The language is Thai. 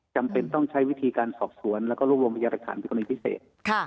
จำเป็นต้องใช้วิธีการสอบสวนและรวมวงพยาบาทศาสตร์เป็นความผิดพิเศษ